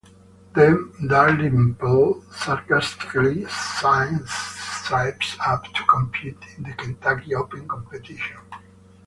Then, Dalrymple sarcastically signs Stripes up to compete in the Kentucky Open competition.